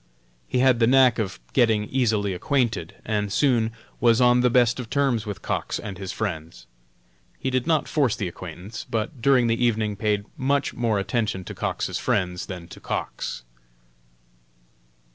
He had the knack of getting easily acquainted, and soon was on the best of terms with Cox and his friends. He did not force the acquaintance, but during the evening paid much more attention to Cox's friends than to Cox.